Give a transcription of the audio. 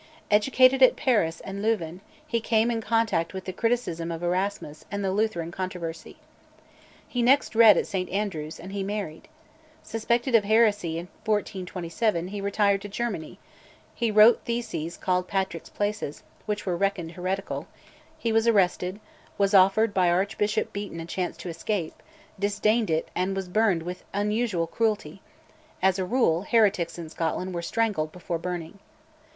Educated at Paris and Louvain, he came in contact with the criticism of Erasmus and the Lutheran controversy. He next read at St Andrews, and he married. Suspected of heresy in 1427, he retired to Germany; he wrote theses called 'Patrick's Places,' which were reckoned heretical; he was arrested, was offered by Archbishop Beaton a chance to escape, disdained it, and was burned with unusual cruelty, as a rule, heretics in Scotland were strangled before burning.